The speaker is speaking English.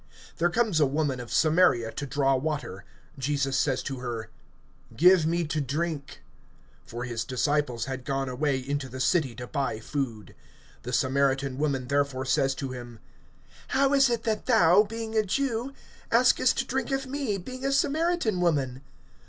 (7)There comes a woman of Samaria to draw water. Jesus, says to her: Give me to drink. (8)For his disciples had gone away into the city to buy food. (9)The Samaritan woman therefore says to him: How is it that thou, being a Jew, askest drink of me, being a Samaritan woman?